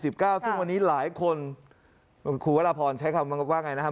ซึ่งวันนี้หลายคนคุณประมาณอะไรนะครับ